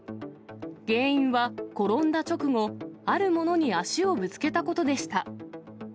原因は転んだ直後、あるものに足をぶつけたことでした。